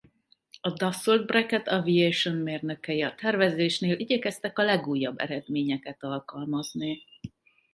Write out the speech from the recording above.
A Dassault-Brequet Aviation mérnökei a tervezésnél igyekeztek a legújabb eredményeket alkalmazni.